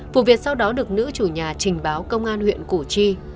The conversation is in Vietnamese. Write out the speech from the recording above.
vụ việc sau đó được nữ chủ nhà trình báo công an huyện củ chi